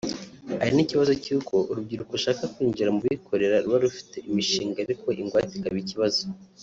hari n’ikibazo cy’uko urubyiruko rushaka kwinjira mu bikorera ruba rufite imishinga ariko ingwate ikaba ikibazo